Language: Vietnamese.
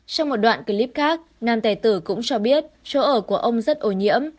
trong một đoạn clip khác nam tài tử cũng cho biết chỗ ở của ông rất ô nhiễm